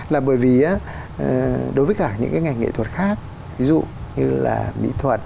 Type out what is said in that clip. là bởi vì đối với cả những cái ngành nghệ thuật khác ví dụ như là mỹ thuật